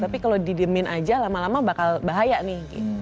tapi kalau didiemin aja lama lama bakal bahaya nih